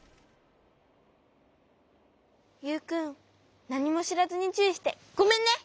ユウくんなにもしらずにちゅういしてごめんね。